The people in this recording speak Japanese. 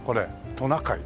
「トナカイ」